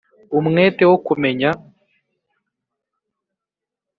umwete wo kumumenya